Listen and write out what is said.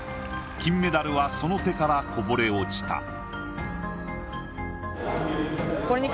金メダルはその手からこぼれ落ちた。